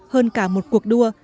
hơn cả một cuộc đua